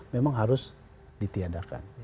memang harus ditiadakan